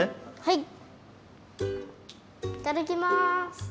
いただきます！